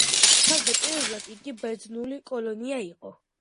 თავდაპირველად, იგი ბერძნული კოლონია იყო.